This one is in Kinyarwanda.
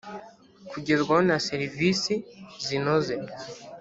kugerwaho na serivisi zinoze,